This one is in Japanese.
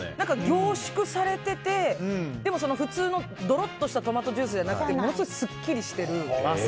凝縮されてて、でも普通のどろっとしたトマトジュースじゃなくてものすごくすっきりしてます。